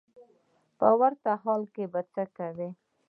په ورته حال کې به څه کوې.